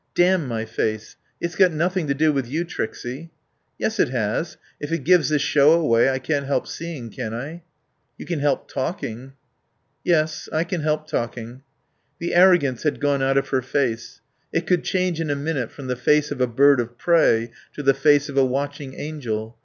"Damn my face. It's got nothing to do with you, Trixie." "Yes it has. If it gives the show away I can't help seeing, can I?" "You can help talking." "Yes, I can help talking." The arrogance had gone out of her face. It could change in a minute from the face of a bird of prey to the face of a watching angel.